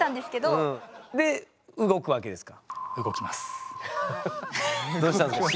で動くわけですか？